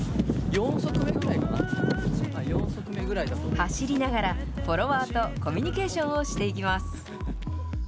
走りながら、フォロワーとコミュニケーションをしていきます。